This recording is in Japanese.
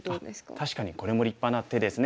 確かにこれも立派な手ですね。